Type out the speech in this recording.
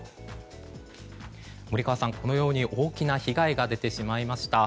森川さん、このように大きな被害が出てしまいました。